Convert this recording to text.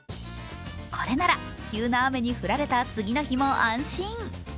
これなら急な雨に降られた次の日も安心。